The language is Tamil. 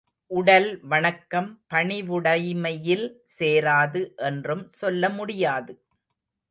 உடல் வணக்கம் பணிவுடைமையில் சேராது என்றும் சொல்ல முடியாது.